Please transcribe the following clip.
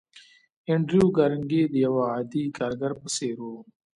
انډريو کارنګي د يوه عادي کارګر په څېر و.